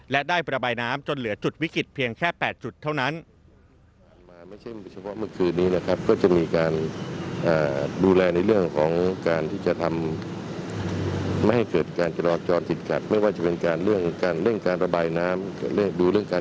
และได้ประบายน้ำจนเหลือจุดวิกฤตเพียงแค่๘จุดเท่านั้น